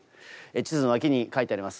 地図の脇に書いてあります